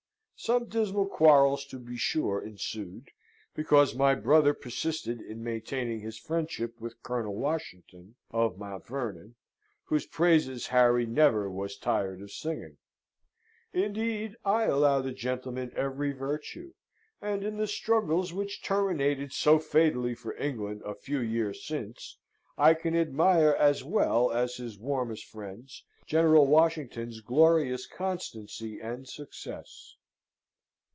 Some dismal quarrels, to be sure, ensued, because my brother persisted in maintaining his friendship with Colonel Washington, of Mount Vernon, whose praises Harry never was tired of singing. Indeed I allow the gentleman every virtue; and in the struggles which terminated so fatally for England a few years since, I can admire as well as his warmest friends, General Washington's glorious constancy and success.